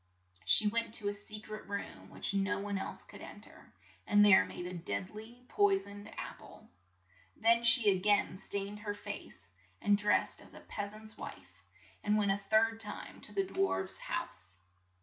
She went to a se cret room which no one else could en ter, and there made a dead ly poi soned ap ple. Then she a gain stained her face, and dressed as a peas ant's wife, and went a third time to the dwarfs' house.